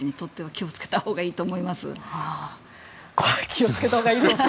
気をつけたほうがいいと。